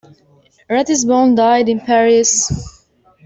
Ratisbonne died in Paris.